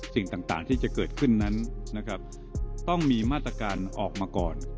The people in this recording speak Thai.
สิ่งต่างที่จะเกิดขึ้นนั้นนะครับต้องมีมาตรการออกมาก่อน